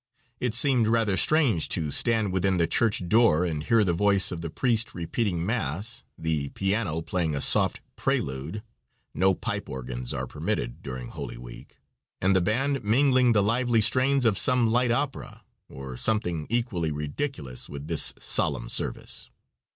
It seemed rather strange to stand within the church door and hear the voice of the priest repeating mass, the piano playing a soft prelude (no pipe organs are permitted during holy week), and the band mingling the lively strains of some light opera, or something equally ridiculous, with this solemn service.